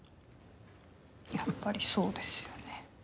やっぱりそうですよね。